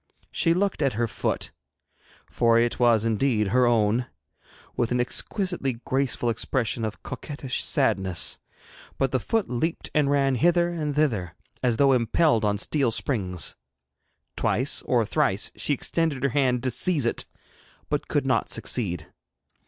She looked at her foot for it was indeed her own with an exquisitely graceful expression of coquettish sadness, but the foot leaped and ran hither and thither, as though impelled on steel springs. Twice or thrice she extended her hand to seize it, but could not succeed.